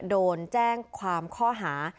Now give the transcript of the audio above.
โดนแจ้งความข้อหา